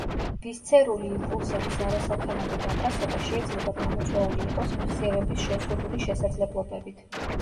ვისცერული იმპულსების არასათანადო დაფასება შეიძლება გამოწვეული იყოს მეხსიერების შეზღუდული შესაძლებლობებით.